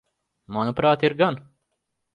Manuprāt, ir gan.